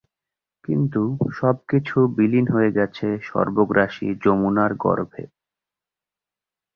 কিন্তু সবকিছু বিলীন হয়ে গেছে সর্বগ্রাসী যমুনার গর্ভে।